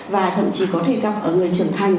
và thậm chí có thể gặp ở người trưởng thành